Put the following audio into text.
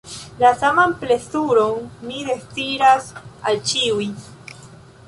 La saman plezuron mi deziras al ĉiuj.